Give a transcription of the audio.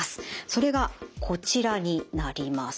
それがこちらになります。